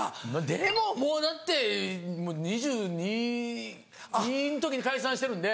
でももうだって２２の時に解散してるんで。